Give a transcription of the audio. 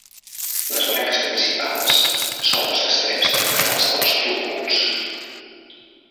Les branques principals són els extrems terminals dels túbuls.